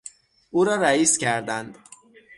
او را رئیس کردند.